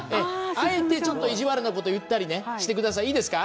あえて、ちょっと意地悪なことを言ったりしてください。